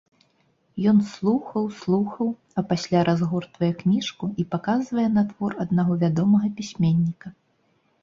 Ён слухаў, слухаў, а пасля разгортвае кніжку і паказвае на твор аднаго вядомага пісьменніка.